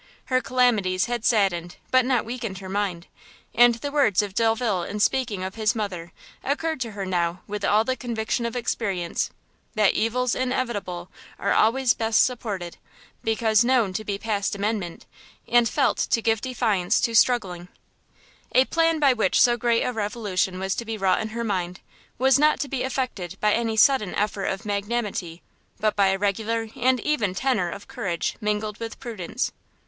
Her calamities had saddened, but not weakened her mind, and the words of Delvile in speaking of his mother occurred to her now with all the conviction of experience, that "evils inevitable are always best supported, because known to be past amendment, and felt to give defiance to struggling." [Footnote: See Vol. ii. p. 317.] A plan by which so great a revolution was to be wrought in her mind, was not to be effected by any sudden effort of magnanimity, but by a regular and even tenour of courage mingled with prudence.